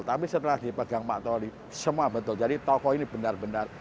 tapi setelah dipegang pak tori semua betul jadi tokoh ini benar benar